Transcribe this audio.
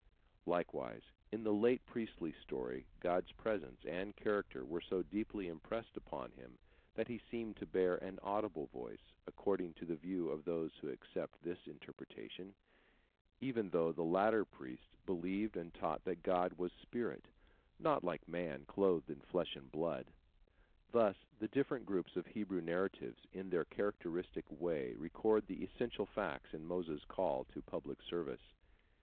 Likewise in the late priestly story God's presence and character were so deeply impressed upon him that he seemed to bear an audible voice, according to the view of those who accept this interpretation, even though the later priests believed and taught that God was a spirit, not like man clothed in flesh and blood. Thus the different groups of Hebrew narratives in their characteristic way record the essential facts in Moses' call to public service.